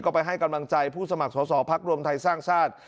ก็ไปให้กำลังใจผู้สมัครสอศพรรพทัยสร้างศาสตร์